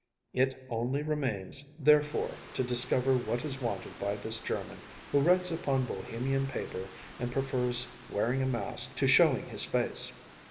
It only remains, therefore, to discover what is wanted by this German who writes upon Bohemian paper and prefers wearing a mask to showing his face.